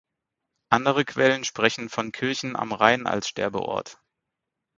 Andere Quellen sprechen von Kirchen am Rhein als Sterbeort.